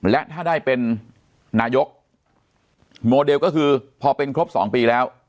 และถ้าได้เป็นนายกโมเดลก็คือพอเป็นครบ๒ปีแล้ว